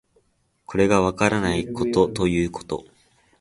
これがわからないことということ